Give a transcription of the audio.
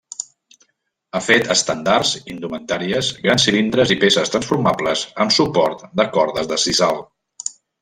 Ha fet estendards, indumentàries, grans cilindres i peces transformables, amb suport de cordes de sisal.